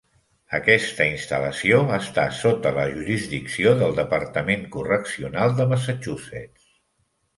Aquesta instal·lació està sota la jurisdicció del Departament Correccional de Massachusetts.